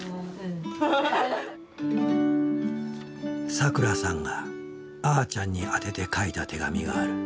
さくらさんがあーちゃんに宛てて書いた手紙がある。